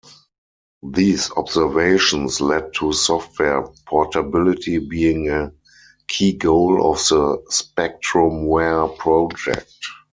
These observations led to software portability being a key goal of the SpectrumWare project.